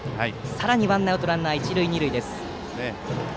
さらにワンアウトランナー、一塁二塁です。